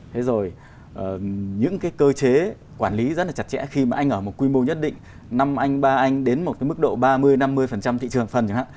thế rồi những cái cơ chế quản lý rất là chặt chẽ khi mà anh ở một quy mô nhất định năm anh ba anh đến một cái mức độ ba mươi năm mươi thị trường phần chẳng hạn